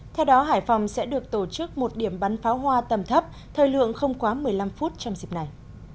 theo đó hải phòng sẽ được tổ chức một điểm bắn pháo hoa tầm thấp thời lượng không quá một mươi năm phút trong dịp này